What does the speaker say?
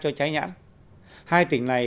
cho trái nhãn hai tỉnh này